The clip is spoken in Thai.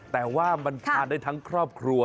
แต่ว่ามันทานได้ทั้งครอบครัว